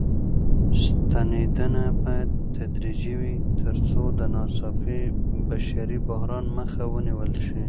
ستنېدنه بايد تدريجي وي تر څو د ناڅاپي بشري بحران مخه ونيول شي.